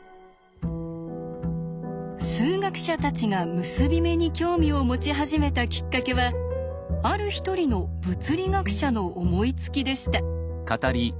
数学者たちが結び目に興味を持ち始めたきっかけはある一人の物理学者の思いつきでした。